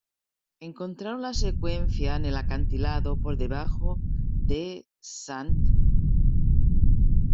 Encontraron la secuencia en el acantilado por debajo de St.